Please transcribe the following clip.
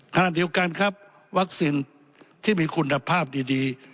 ขณะเดียวกันครับวัคซีนที่มีคุณภาพดี